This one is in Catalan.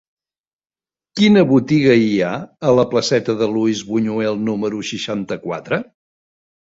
Quina botiga hi ha a la placeta de Luis Buñuel número seixanta-quatre?